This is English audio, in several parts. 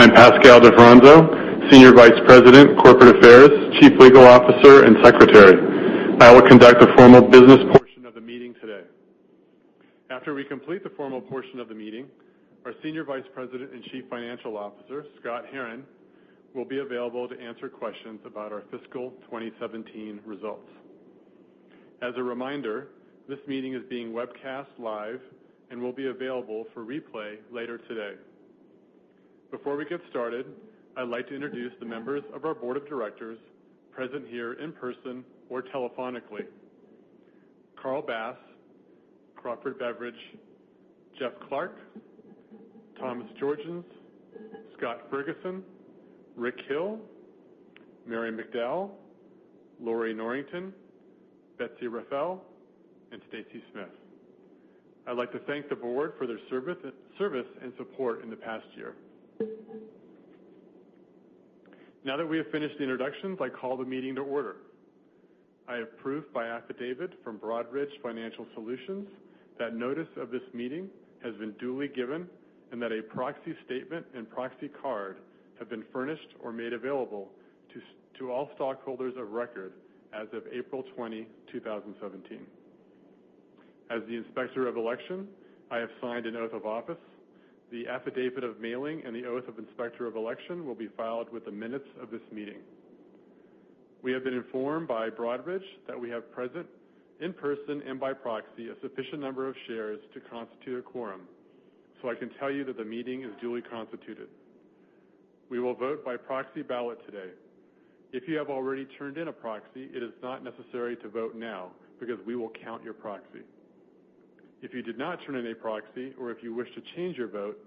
I'm Pascal Di Fronzo, Senior Vice President, Corporate Affairs, Chief Legal Officer, and Secretary. I will conduct the formal business portion of the meeting today. After we complete the formal portion of the meeting, our Senior Vice President and Chief Financial Officer, Scott Herren, will be available to answer questions about our fiscal 2017 results. As a reminder, this meeting is being webcast live and will be available for replay later today. Before we get started, I'd like to introduce the members of our board of directors present here in person or telephonically. Carl Bass, Crawford Beveridge, Jeff Clarke, Thomas Georgens, Scott Ferguson, Rick Hill, Mary McDowell, Lorrie Norrington, Betsy Rafael, and Stacy Smith. I'd like to thank the board for their service and support in the past year. Now that we have finished the introductions, I call the meeting to order. I have proof by affidavit from Broadridge Financial Solutions that notice of this meeting has been duly given and that a proxy statement and proxy card have been furnished or made available to all stockholders of record as of April 20, 2017. As the Inspector of Election, I have signed an oath of office. The affidavit of mailing and the oath of Inspector of Election will be filed with the minutes of this meeting. We have been informed by Broadridge that we have present in person and by proxy, a sufficient number of shares to constitute a quorum, so I can tell you that the meeting is duly constituted. We will vote by proxy ballot today. If you have already turned in a proxy, it is not necessary to vote now because we will count your proxy. If you did not turn in a proxy or if you wish to change your vote,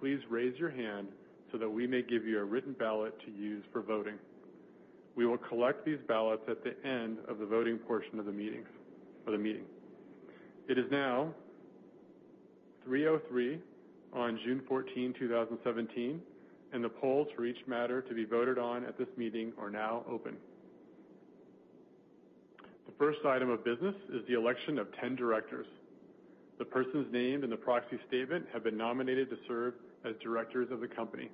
please raise your hand so that we may give you a written ballot to use for voting. We will collect these ballots at the end of the voting portion of the meeting. It is now 3:03 P.M. on June 14, 2017, and the polls for each matter to be voted on at this meeting are now open. The first item of business is the election of 10 directors. The persons named in the proxy statement have been nominated to serve as directors of the company.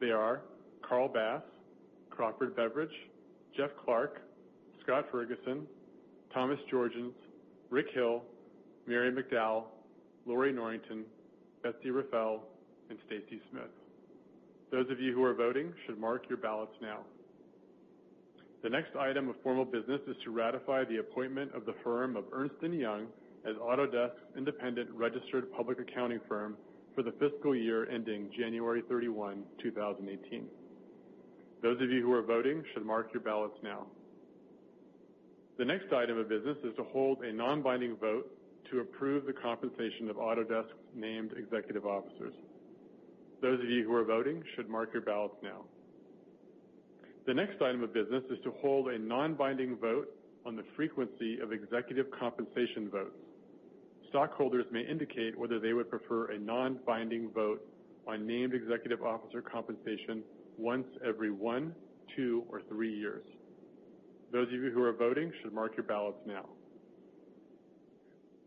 They are Carl Bass, Crawford Beveridge, Jeff Clarke, Scott Ferguson, Thomas Georgens, Rick Hill, Mary McDowell, Lorrie Norrington, Betsy Rafael, and Stacy Smith. Those of you who are voting should mark your ballots now. The next item of formal business is to ratify the appointment of the firm of Ernst & Young as Autodesk's independent registered public accounting firm for the fiscal year ending January 31, 2018. Those of you who are voting should mark your ballots now. The next item of business is to hold a non-binding vote to approve the compensation of Autodesk's named executive officers. Those of you who are voting should mark your ballots now. The next item of business is to hold a non-binding vote on the frequency of executive compensation votes. Stockholders may indicate whether they would prefer a non-binding vote on named executive officer compensation once every one, two, or three years. Those of you who are voting should mark your ballots now.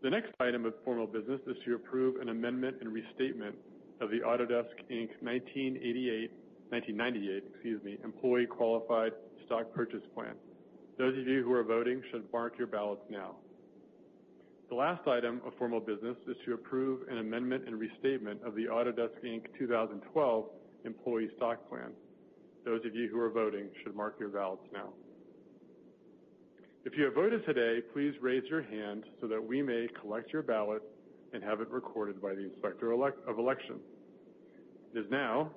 The next item of formal business is to approve an amendment and restatement of the Autodesk, Inc. 1998, excuse me, Employee Qualified Stock Purchase Plan. Those of you who are voting should mark your ballots now. The last item of formal business is to approve an amendment and restatement of the Autodesk, Inc. 2012 Employee Stock Plan. Those of you who are voting should mark your ballots now. If you have voted today, please raise your hand so that we may collect your ballot and have it recorded by the Inspector of Election. It is now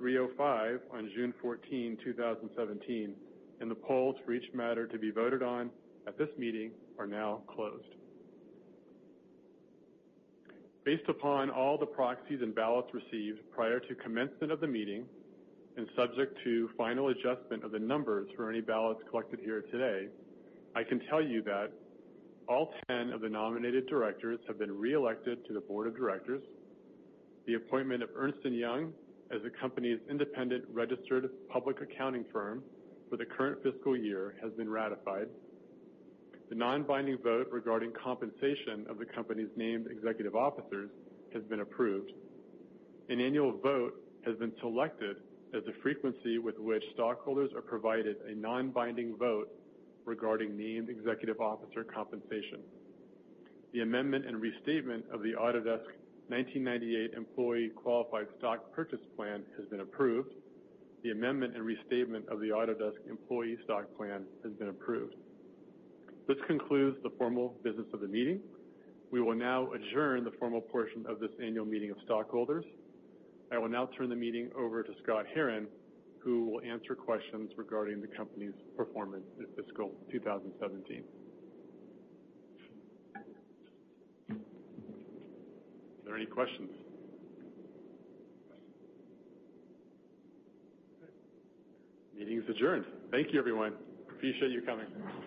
3:05 P.M. on June 14, 2017, and the polls for each matter to be voted on at this meeting are now closed. Based upon all the proxies and ballots received prior to commencement of the meeting and subject to final adjustment of the numbers for any ballots collected here today, I can tell you that all 10 of the nominated directors have been reelected to the board of directors. The appointment of Ernst & Young as the company's independent registered public accounting firm for the current fiscal year has been ratified. The non-binding vote regarding compensation of the company's named executive officers has been approved. An annual vote has been selected as the frequency with which stockholders are provided a non-binding vote regarding named executive officer compensation. The amendment and restatement of the Autodesk 1998 Employee Qualified Stock Purchase Plan has been approved. The amendment and restatement of the Autodesk Employee Stock Plan has been approved. This concludes the formal business of the meeting. We will now adjourn the formal portion of this annual meeting of stockholders. I will now turn the meeting over to Scott Herren, who will answer questions regarding the company's performance in fiscal 2017. Are there any questions? Good. Meeting is adjourned. Thank you, everyone. Appreciate you coming.